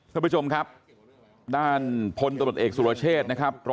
ท่านผู้ชมครับด้านพลตำรวจเอกสุรเชษนะครับ